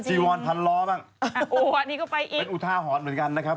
จีวอนพันล้อเป็นอุทาหรอเหมือนกันนะครับ